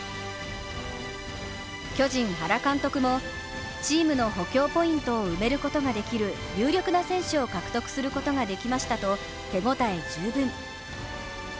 巨人・原監督も、チームの補強ポイントを埋めることができる有力な選手を獲得することができましたと手応え十分。